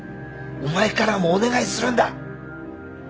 お前からもお願いするんだ！